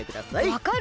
わかる？